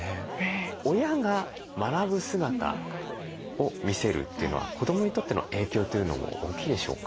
親が学ぶ姿を見せるというのは子どもにとっての影響というのも大きいでしょうか？